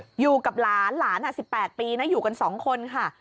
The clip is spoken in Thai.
อยู่กับหลานหลาน๑๘ปีนะอยู่กัน๒คนค่ะ